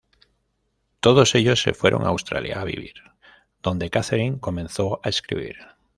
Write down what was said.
Todos ellos se fueron a Australia a vivir donde Katharine comenzó a escribir.